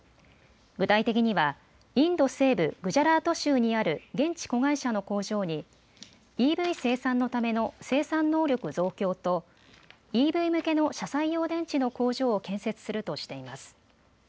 具体的にはインド西部グジャラート州にある現地子会社の工場にＥＶ生産のための生産能力増強とＥＶ向けの車載用電池の工場を建設するとしています。